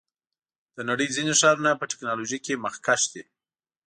د نړۍ ځینې ښارونه په ټیکنالوژۍ کې مخکښ دي.